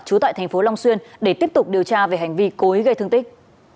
trú tại thành phố long xuyên để tiếp tục điều tra về hành vi cố ý gây thương tích